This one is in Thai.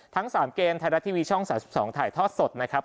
ทั้ง๓เกมไทยรัฐทีวีช่อง๓๒ถ่ายทอดสดนะครับ